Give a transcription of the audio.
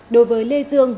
đối với lê dương